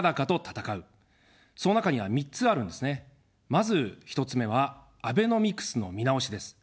まず１つ目は、アベノミクスの見直しです。